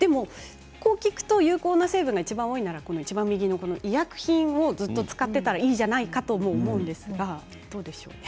こう聞くと有効な成分がいちばん多いのは右の医薬品をずっと使っていたらいいじゃないかと思うんですが。